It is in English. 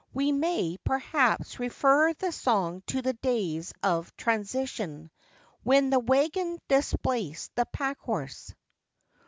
We may, perhaps, refer the song to the days of transition, when the waggon displaced the packhorse.